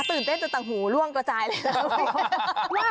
ตื่นเต้นจนต่างหูล่วงกระจายเลยแล้ว